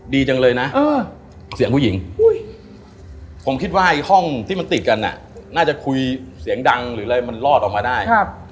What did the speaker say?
ดีจังเลยนะเสียงผู้หญิงผมคิดว่าห้องที่มันติดกันน่าจะคุยเสียงดังหรืออะไรมันรอดออกมาได้